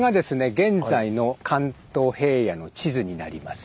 現在の関東平野の地図になります。